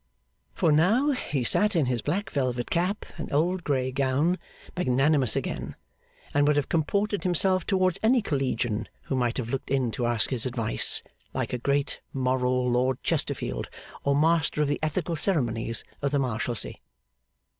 For now he sat in his black velvet cap and old grey gown, magnanimous again; and would have comported himself towards any Collegian who might have looked in to ask his advice, like a great moral Lord Chesterfield, or Master of the ethical ceremonies of the Marshalsea.